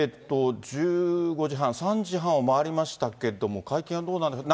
１５時半、３時半を回りましたけども、会見はどうなのか。